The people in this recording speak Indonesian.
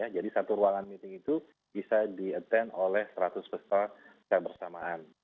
jadi satu ruangan meeting itu bisa di attend oleh seratus peserta secara bersamaan